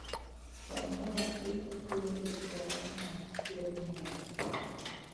Gongor vih kipir-kipira, nam firiy ŋolo.